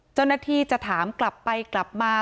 เจ้าหน้าที่จะถามกลับไปกลับมา